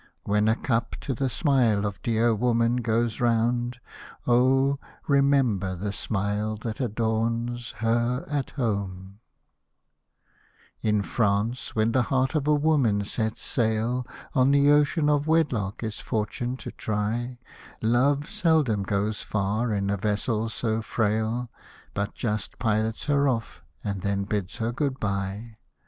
When a cup to the smile of dear woman .goes round, Oh ! remember the smile that adorns her at home. Hosted by Google LET ERIN REMEMBER THE DAYS OF OLD 15 In France, when the heart of a woman sets sail, On the ocean of wedlock its fortune to try, Love seldom goes far in a vessel so frail, But just pilots her off, and then bids her good bye.